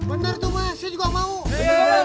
bener tuh pak saya juga mau